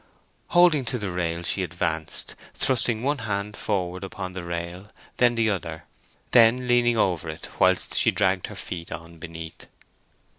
Holding to the rails, she advanced, thrusting one hand forward upon the rail, then the other, then leaning over it whilst she dragged her feet on beneath.